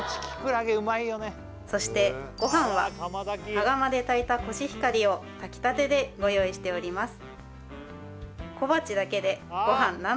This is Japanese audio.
そしてご飯は羽釜で炊いたコシヒカリを炊きたてでご用意しております